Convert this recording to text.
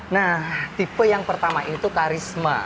nah tipe yang pertama itu karisma